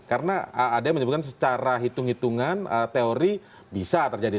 karena ada yang menyebutkan secara hitung hitungan teori bisa terjadi